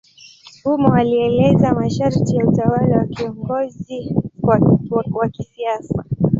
Humo alieleza masharti ya utawala kwa kiongozi wa kisiasa.